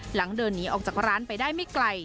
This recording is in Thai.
หลังเดินหนีออกจากร้านไปได้ไม่ไกล